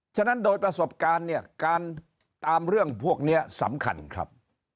ฉะนั้นโดยประสบการณ์เนี่ยการตามเรื่องพวกนี้สำคัญครับ